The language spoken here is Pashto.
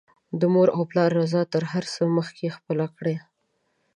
د مور او پلار رضاء تر هر څه مخکې خپله کړه